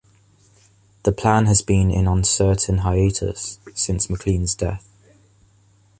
The plan has been in uncertain hiatus since McLean's death.